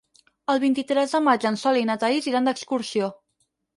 El vint-i-tres de maig en Sol i na Thaís iran d'excursió.